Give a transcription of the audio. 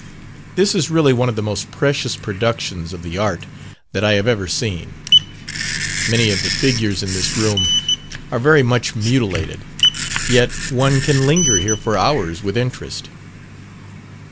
This is really one of the most precious productions of the art that I have ever seen. Many of the figures in this room are very much mutilated, yet one can linger here for hours with interest.